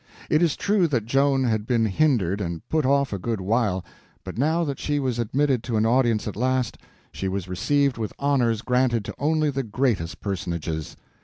It is true that Joan had been hindered and put off a good while, but now that she was admitted to an audience at last, she was received with honors granted to only the greatest personages.